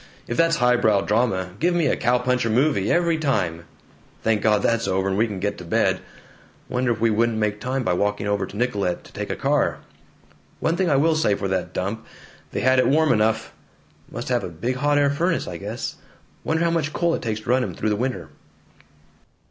If that's highbrow drama, give me a cow puncher movie, every time! Thank God, that's over, and we can get to bed. Wonder if we wouldn't make time by walking over to Nicollet to take a car? One thing I will say for that dump: they had it warm enough. Must have a big hot air furnace, I guess. Wonder how much coal it takes to run 'em through the winter?"